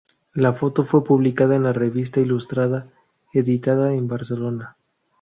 La foto fue publicada en "La Revista Ilustrada" editada en Barcelona.